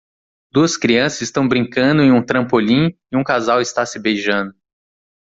Duas crianças estão brincando em um trampolim e um casal está se beijando.